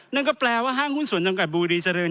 นั่นก็แปลว่าห้างหุ้นส่วนจำกัดบุรีเจริญ